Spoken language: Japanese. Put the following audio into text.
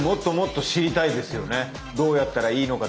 どうやったらいいのか。